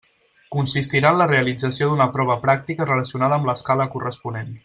Consistirà en la realització d'una prova pràctica relacionada amb l'escala corresponent.